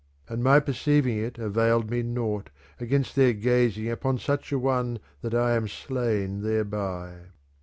And my perceiving it availed me nought against their gazing upon such an one that I am slain thereby.'